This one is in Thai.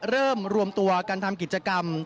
เริ่มรวมตัวการทำกิจกรรม